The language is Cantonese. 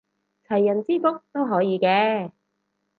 齊人之福都可以嘅